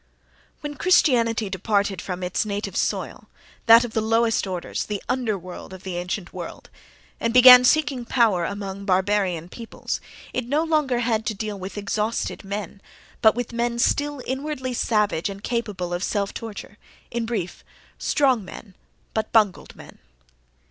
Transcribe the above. When Christianity departed from its native soil, that of the lowest orders, the underworld of the ancient world, and began seeking power among barbarian peoples, it no longer had to deal with exhausted men, but with men still inwardly savage and capable of self torture—in brief, strong men, but bungled men.